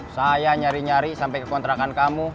saya nyari nyari sampai ke kontrakan kamu